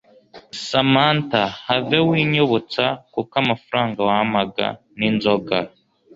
Samantha have winyibutsa kuko amafaranga wampaga ninzoga